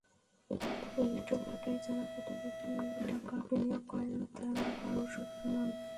ইটভাটায় যাঁরা কোটি কোটি টাকা বিনিয়োগ করেন, তাঁরা কারও শত্রু নন।